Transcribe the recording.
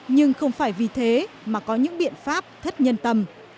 nhưng không phải vì thế mà có những biện pháp thất nhân tầm